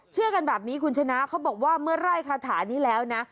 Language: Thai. เชื่อกันแบบนี้คุณชนะเขาบอกว่าเมื่อไร่คาถานี้แล้วนะ